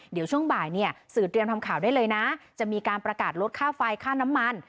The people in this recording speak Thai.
เดี๋ยวช่วงบ่ายเนี่ยสื่อเตรียมทำข่าวได้เลยนะจะมีการประกาศลดค่าไฟค่าน้ำมัน